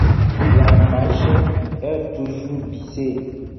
La marche est toujours bissée.